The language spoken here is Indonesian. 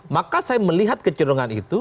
maka saya melihat kecerungan itu